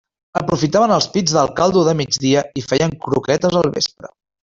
Aprofitaven els pits del caldo de migdia i feien croquetes al vespre.